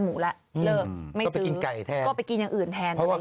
หมูล่ะเลิกไม่ซื้อกินไก่แทนก็ไปกินอย่างอื่นแทนเพราะว่า